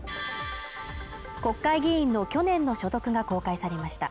国会議員の去年の所得が公開されました。